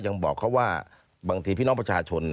ยังบอกเขาว่าบางทีพี่น้องประชาชน